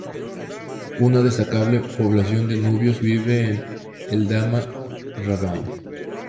Una destacable población de nubios vive en Eldama-Ravine.